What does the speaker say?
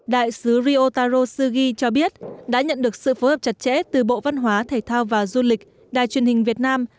đại sứ ryotaro sugi cho biết đã nhận được sự phối hợp chặt chẽ từ bộ văn hóa thể thao và du lịch đài truyền hình việt nam